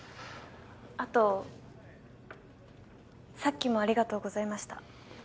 あとさっきもありがとうございました。